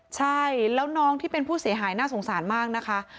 ใช่แล้วน้องที่เป็นผู้เสียหายน่าสงสารมากนะคะ